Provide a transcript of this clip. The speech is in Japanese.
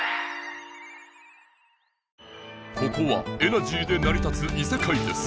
ここはエナジーでなり立ついせかいです！